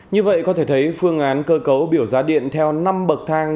như vậy có thể thấy phương án cơ cấu biểu giá điện theo năm bậc thang